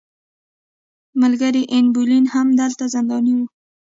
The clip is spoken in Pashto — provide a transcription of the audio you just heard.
ملکې ان بولین هم دلته زنداني وه.